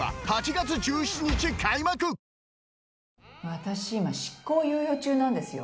私今執行猶予中なんですよ